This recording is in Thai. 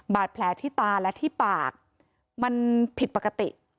บาดแผลที่ตาและที่ปากมันผิดปกติ